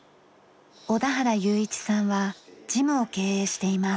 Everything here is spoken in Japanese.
小田原悠一さんはジムを経営しています。